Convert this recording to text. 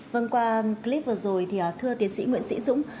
vâng qua clip vừa rồi thì thưa tiến sĩ nguyễn sĩ dũng